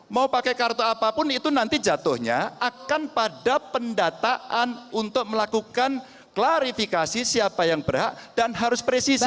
mau pakai kartu apapun itu nanti jatuhnya akan pada pendataan untuk melakukan klarifikasi siapa yang berhak dan harus presisi